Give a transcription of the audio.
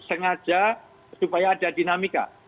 sengaja supaya ada dinamika